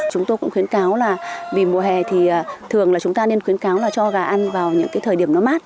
chúng tôi cũng khuyến cáo là vì mùa hè thì thường là chúng ta nên khuyến cáo là cho gà ăn vào những cái thời điểm nó mát